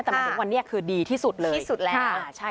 แต่หมายถึงวันนี้คือดีที่สุดเลยที่สุดแหละค่ะใช่